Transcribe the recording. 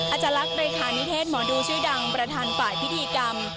อาจารย์ลักษณ์เลขานิเทศหมอดูชื่อดังประธานฝ่ายพิธีกรรม